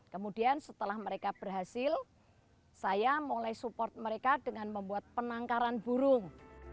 kemudian setelah mereka berhasil saya mulai support mereka dengan membuat penangkaran burung